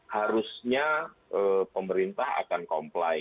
harusnya pemerintah akan comply